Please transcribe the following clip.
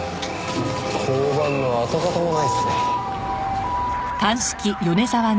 交番の跡形もないっすね。